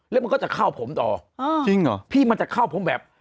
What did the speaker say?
แล้วมันก็จะเข้าผมต่ออ่าจริงเหรอพี่มันจะเข้าผมแบบ